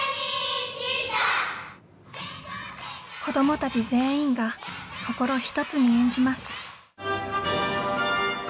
子どもたち全員が心を一つに演じます。